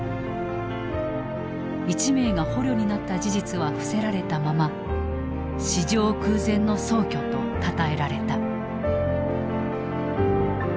１名が捕虜になった事実は伏せられたまま史上空前の壮挙とたたえられた。